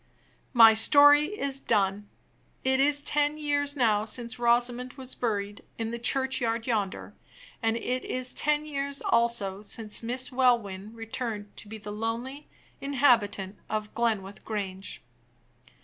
My story is done. It is ten years now since Rosamond was buried in the churchyard yonder; and it is ten years also since Miss Welwyn returned to be the lonely inhabitant of Glenwith Grange.